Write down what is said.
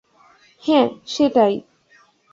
হ্যাঁ, সেটাই।